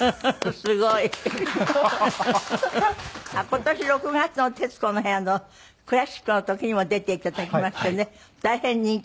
今年６月の『徹子の部屋』のクラシックの時にも出て頂きましてね大変人気でした。